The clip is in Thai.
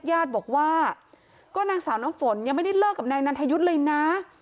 ญาติบอกว่าก็นางสาวน้ำฝนยังไม่ได้เลิกกับนายนันทยุทธ์เลยนะ